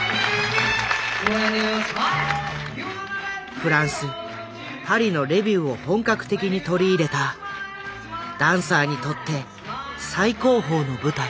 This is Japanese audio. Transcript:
フランス・パリのレビューを本格的に取り入れたダンサーにとって最高峰の舞台。